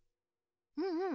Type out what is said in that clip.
うんうん。